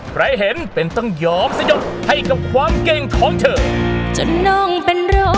ใครเห็นเป็นต้องยอมสยดให้กับความเก่งของเธอ